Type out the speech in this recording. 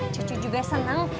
cucu juga seneng